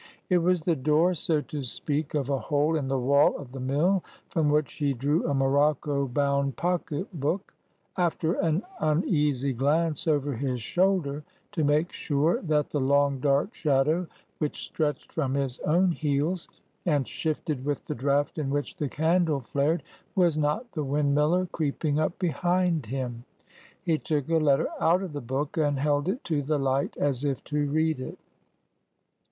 It was the door, so to speak, of a hole in the wall of the mill, from which he drew a morocco bound pocket book. After an uneasy glance over his shoulder, to make sure that the long dark shadow which stretched from his own heels, and shifted with the draught in which the candle flared, was not the windmiller creeping up behind him, he took a letter out of the book and held it to the light as if to read it.